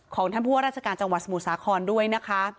ท่านผู้ว่าราชการจังหวัดสมุทรสาครด้วยนะคะ